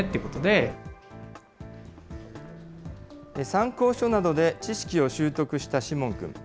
参考書などで知識を習得したシモン君。